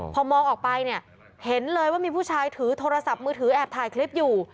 พอมองออกไปเนี่ยเห็นเลยว่ามีผู้ชายถือโทรศัพท์มือถือแอบถ่ายคลิปอยู่